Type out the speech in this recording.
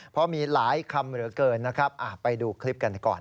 เพราะมีหลายคำเหลือเกินนะครับไปดูคลิปกันก่อน